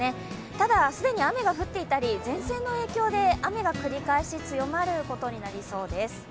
ただ、既に雨が降っていたり、前線の影響で雨が繰り返し強まることになりそうです。